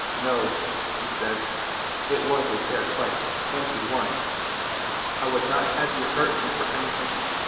"No," he said, "it was a fair fight, and he won. I would not have you hurt him for anything.